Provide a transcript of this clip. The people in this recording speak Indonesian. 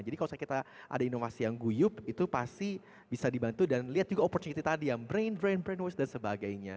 jadi kalau misalnya kita ada inovasi yang guyup itu pasti bisa dibantu dan lihat juga opportunity tadi yang brain drain brain waste dan sebagainya